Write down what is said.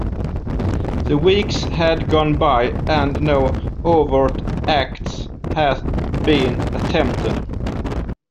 The weeks had gone by, and no overt acts had been attempted.